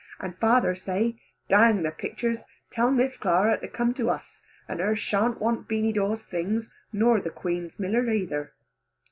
And father say, "Dang the pictures, tell Miss Clara to come to us, and her shan't want Beany Dawe's things, nor the Queen's miller either."